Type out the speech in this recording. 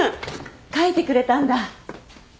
書いてくれたんだ。